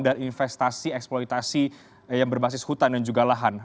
dan investasi eksploitasi yang berbasis hutan dan juga lahan